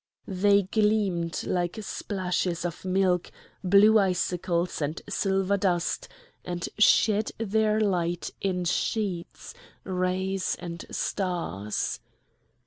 They gleamed like splashes of milk, blue icicles, and silver dust, and shed their light in sheets, rays, and stars.